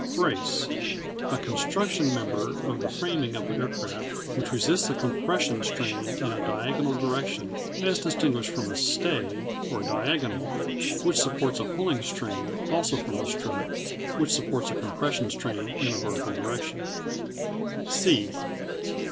Brace A construction member of the framing of aircraft which resists a compression strain in a diagonal direction as distinguished from a "stay," or "diagonal," which supports a pulling strain; also from a strut which supports a compression strain in a vertical direction.